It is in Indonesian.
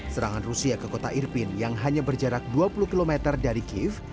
serangan rusia ke kota irpin yang hanya berjarak dua puluh km dari kiev